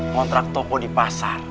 montrak toko di pasar